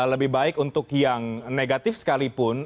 lebih baik untuk yang negatif sekalipun